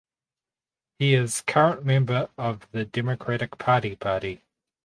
He is current member of the Democratic Party party.